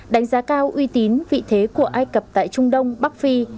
đánh giá cao uy tín vị thế của ai cập tại trung đông bắc phi